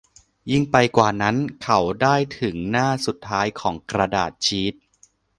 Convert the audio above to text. ยิ่งไปกว่านั้น เขาได้าถึงหน้าสุดท้ายของกระดาษชีท